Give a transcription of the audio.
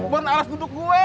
buat alas untuk gue